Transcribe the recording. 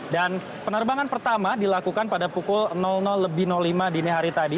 dan penerbangan pertama dilakukan pada pukul lima dini hari tadi